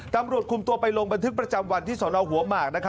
ตำรวจคุมตัวไปลงบันทึกประจำวันที่สนหัวหมาก